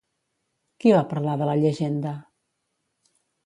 Qui va parlar de la llegenda?